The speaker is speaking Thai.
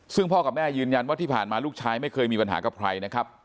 ซึ่งพ่อกับแม่ยืนยันว่าที่ผ่านมาลูกชายไม่เคยมีปัญหากับใครนะครับ